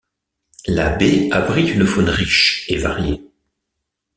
La baie abrite une faune riche et variée.